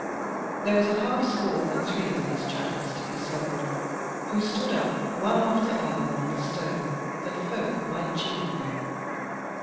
There was a half score and three of these chattels to be sold, who stood up one after other on the stone, that folk might cheapen them.